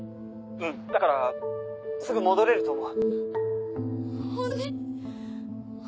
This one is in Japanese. うんだからもうすぐ戻れると思う。